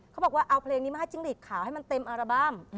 เขาบอกว่าเอาเพลงนี้มาให้จิ้งหลีกขาวให้มันเต็มอัลบั้ม